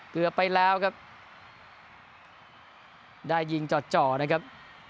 เกือบไปแล้วครับได้ยิงจ่อนะครับ